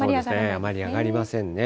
あまり上がりませんね。